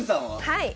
はい！